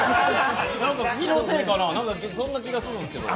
気のせいかなあ、そんな気がするんですけど。